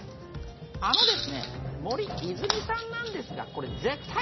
あのですね森泉さんなんですが。